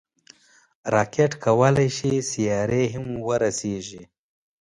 راکټ کولی شي سیارې هم ورسیږي